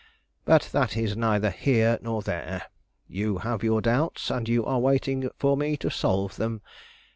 But that is neither here nor there; you have your doubts, and you are waiting for me to solve them.